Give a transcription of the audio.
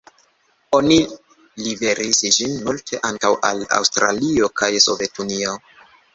Oni liveris ĝin multe ankaŭ al Aŭstralio kaj Sovetunio.